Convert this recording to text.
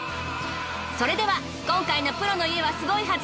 それでは今回の『プロの家は凄いはず！』